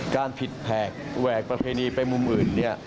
การผิดแผกแหวกประเพณีไปมุมอื่นเนี่ย